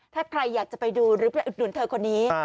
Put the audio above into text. ถ้าใครอยากจะไปดูหรือไปอุดหนุนเธอคนนี้